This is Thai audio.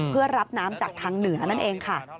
เพื่อรับน้ำจากทางเหนือนั่นเองค่ะ